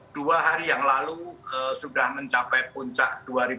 dua hari yang lalu sudah mencapai puncak dua delapan ratus lima puluh delapan